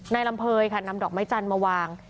นายลำเภยนำดอกไม้จันทร์มาวาง